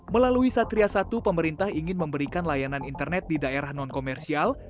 melalui satria satu pemerintah ingin memberikan layanan internet di daerah non komersial